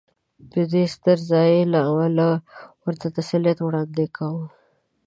دې سترې ضایعې له امله ورته تسلیت وړاندې کوم.